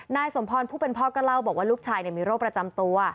นายสมพรผู้เป็นพ่อก็เล่าบอกว่าลูกชายมีโรคประจำตัว